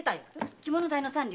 着物代の三両。